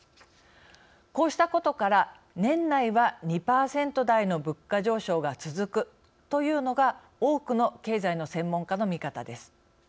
こうしたことから年内は２％台の物価上昇が続くというのが多くの経済の専門家の見方です。